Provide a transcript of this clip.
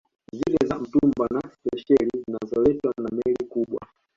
Zile za mtumba na spesheli zinazoletwa na Meli kubwa